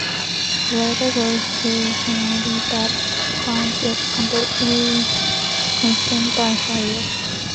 Fleda goes to Poynton but finds it completely consumed by fire.